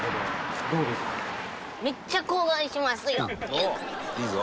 「おっいいぞ」